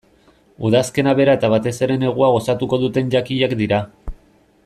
Udazkena bera eta batez ere negua gozatuko duten jakiak dira.